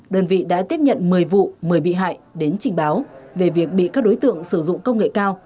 đơn vị đã tiếp nhận một mươi vụ một mươi bị hại đến trình báo về việc bị các đối tượng sử dụng công nghệ cao